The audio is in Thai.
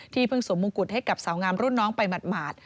เพิ่งสวมมงกุฎให้กับสาวงามรุ่นน้องไปหมาด